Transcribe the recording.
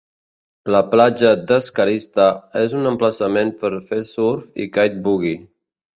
La platja d'Scarista és un emplaçament per fer surf i kite buggy.